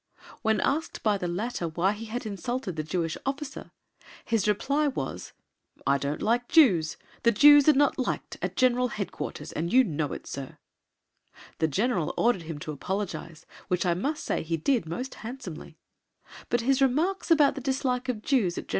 When asked by the latter why he had insulted the Jewish officer his reply was, "I don't like Jews. The Jews are not liked at G.H.Q., and you know it, Sir." The General ordered him to apologise, which I must say he did most handsomely, but his remarks about the dislike of Jews at G.H.